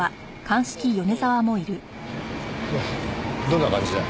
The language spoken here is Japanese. どんな感じだ？